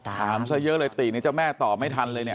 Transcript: ถามซะเยอะเลยตินี่เจ้าแม่ต่อไม่ทันเลย